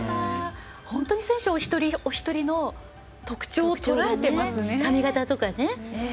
本当に選手お一人お一人の特徴をとらえてますね。